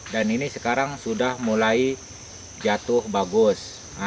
dan ini sekarang sudah mulai jatuh bagus